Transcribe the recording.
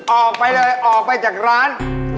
ออกไปเลยออกไปจากร้าน